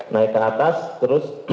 naik ke atas terus